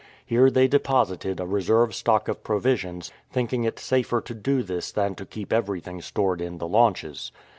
Here they de posited a reserve stock of provisions, thinking it safer to do this than to keep everything stored in the launches.